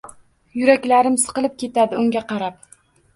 Yuraklarim siqilib ketadi, unga qarab!